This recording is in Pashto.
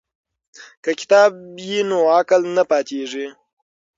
که کتاب وي نو عقل نه پاتیږي.